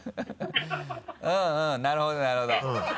うんうんなるほどなるほど。